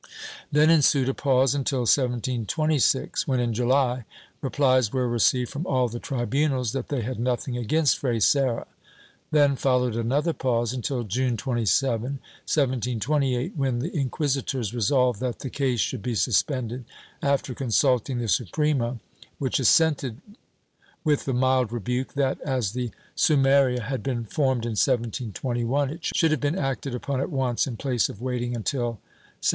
Then ensued a pause until 1726, when in July replies were received from all the tribunals that they had nothing against Fray Serra. Then followed another pause, until June 27, 1728, when the inquisitors resolved that the case should be suspended after consulting the Suprema, which assented with the mild rebuke that, as the sumaria had been formed in 1721, it should have been acted upon at once, in place of waiting until 1728.'